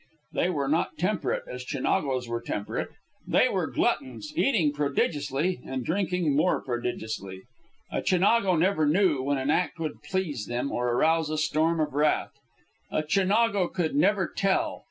They were not temperate as Chinagos were temperate; they were gluttons, eating prodigiously and drinking more prodigiously. A Chinago never knew when an act would please them or arouse a storm of wrath. A Chinago could never tell.